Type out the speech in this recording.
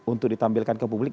untuk ditampilkan ke publik